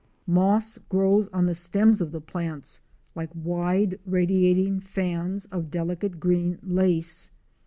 Moss grows on the stems of the plants like wide radiating fans of delicate green lace.